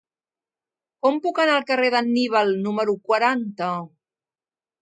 Com puc anar al carrer d'Anníbal número quaranta?